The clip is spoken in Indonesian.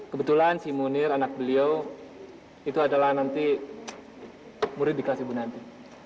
kebetulan si munir anak beliau itu adalah nanti murid di kelas ibu nanti